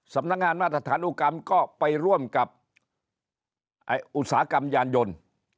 สำนักงานมาตรฐานอุกรรมก็ไปร่วมกับอุตสาหกรรมยานยนต์